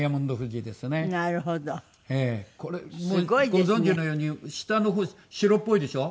ご存じのように下の方白っぽいでしょ？